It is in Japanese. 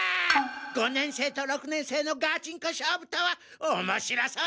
五年生と六年生のガチンコ勝負とはおもしろそうじゃのう！